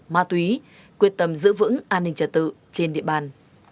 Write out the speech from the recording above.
ma túy quyết tâm giữ vững an ninh trả tự trên địa bàn